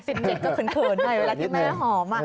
สิ้นเด็กก็เป็นเขินในเวลาที่แม่หอม